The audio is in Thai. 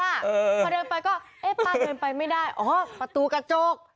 พอเดินไปก็ป้าเงินไปไม่ได้ประตูกระจก